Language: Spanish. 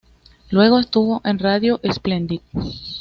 Luego estuvo en Radio Splendid.